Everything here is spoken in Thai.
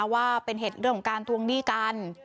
ว่าเป็นเหตุของการทวงนี่การ